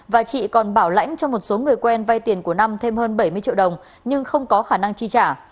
và chị còn bảo lãnh cho một số người quen vay tiền của năm thêm hơn bảy mươi triệu đồng nhưng không có khả năng chi trả